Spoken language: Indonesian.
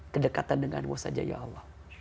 kedekatan denganmu saja ya allah